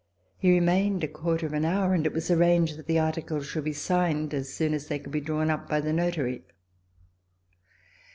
He remained a quarter of an hour, and it was arranged that the articles should be signed as soon as they could be drawn up by the notary.